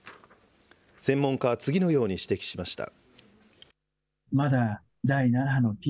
専門家は次のように指摘しました。